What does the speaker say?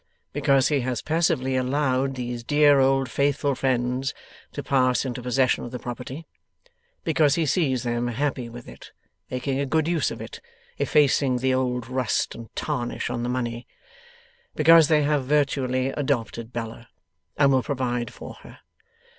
Because he has passively allowed these dear old faithful friends to pass into possession of the property. Because he sees them happy with it, making a good use of it, effacing the old rust and tarnish on the money. Because they have virtually adopted Bella, and will provide for her.